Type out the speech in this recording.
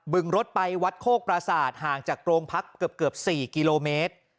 ึงรถไปวัดโคกประสาทห่างจากโรงพักเกือบ๔กิโลเมตร